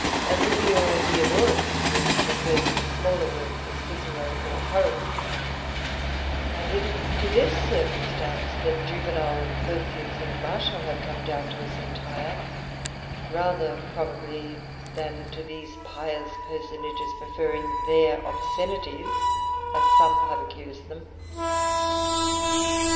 A Livy or a Diodorus was preferred to the smaller works of Cicero or Horace; and it is to this circumstance that Juvenal, Persius, and Martial have come down to us entire, rather probably than to these pious personages preferring their obscenities, as some have accused them.